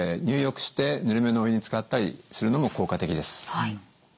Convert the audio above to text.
入浴してぬるめのお湯につかったりするのも効果的です。